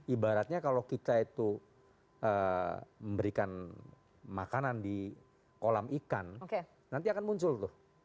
ibaratnya kalau kita itu memberikan makanan di kolam ikan nanti akan muncul tuh